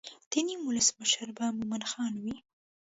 د نیم ولس مشر به مومن خان وي.